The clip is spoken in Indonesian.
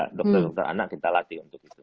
dokter dokter anak kita latih